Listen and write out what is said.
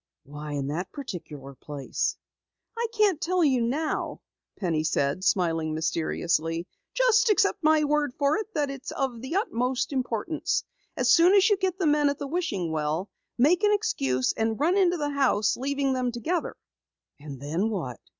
"Why in that particular place?" "I can't tell you now," Penny said, smiling mysteriously. "Just accept my word for it that it's of utmost importance. As soon as you get the men at the wishing well, make an excuse and run into the house, leaving them together." "And then what?"